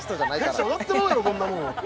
テンション上がってまうやろこんなもん。